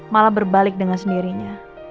malah berbalik dengan sendirinya